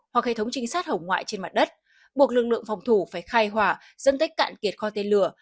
hoặc hệ thống trinh sát hổng ngoại trên mặt đất buộc lực lượng phòng thủ phải khai hỏa dẫn tới cạn kiệt kho tên lửa